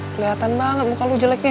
kelihatan banget muka lo jeleknya